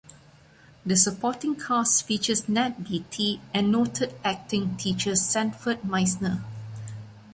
The supporting cast features Ned Beatty and noted acting teacher Sanford Meisner.